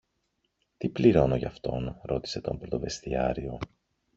Τι πληρώνω γι' αυτόν; ρώτησε τον πρωτοβεστιάριο.